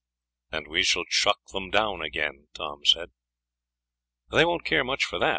"And we shall chuck them down again," Tom said. "They won't care much for that.